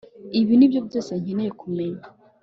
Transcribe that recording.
Ibi nibyo byose nkeneye kumenya